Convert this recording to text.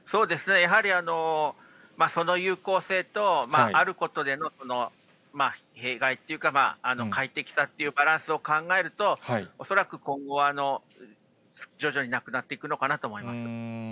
やはりその有効性とあることでの弊害っていうか、快適さっていうバランスを考えると、恐らく今後は徐々になくなっていくのかなと思います。